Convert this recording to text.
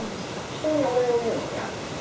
人にお礼を言うのが嫌なんだよ